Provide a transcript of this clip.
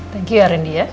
thank you randy ya